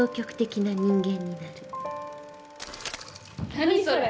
何それ。